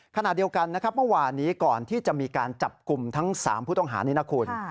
ขณะเดียวกันนะครับเมื่อวานนี้ก่อนที่จะมีการจับกลุ่มทั้ง๓ผู้ต้องหานี้นะคุณ